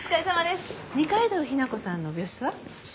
二階堂日向子さんの病室は？